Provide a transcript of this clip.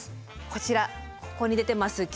こちらここに出てます